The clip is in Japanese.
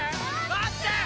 待ってー！